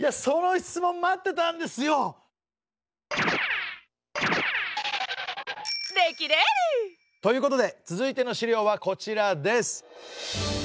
その質問待ってたんですよ。ということで続いての資料はこちらです。